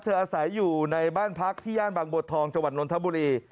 อาศัยอยู่ในบ้านพักที่ย่านบางบัวทองจังหวัดนทบุรี